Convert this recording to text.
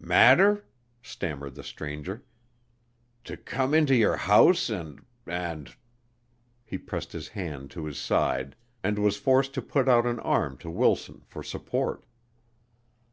"Matter?" stammered the stranger. "To come into your house and and " he pressed his hand to his side and was forced to put out an arm to Wilson for support.